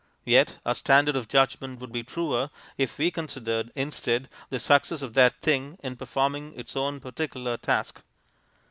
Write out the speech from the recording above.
Yet our standard of judgment would be truer if we considered, instead, the success of that thing in performing its own particular task.